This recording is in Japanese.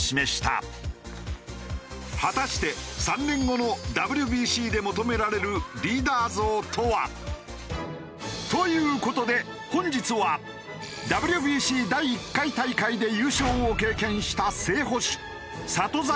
果たして３年後のＷＢＣで求められるリーダー像とは？という事で本日はＷＢＣ第１回大会で優勝を経験した正捕手里崎